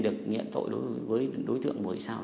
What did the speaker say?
được nhận tội đối với đối tượng mùa thị sao